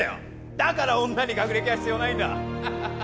だから女に学歴は必要ないんだハハハ